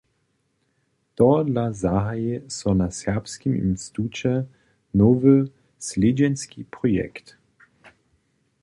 Tohodla zahaji so na Serbskim instituće nowy slědźenski projekt.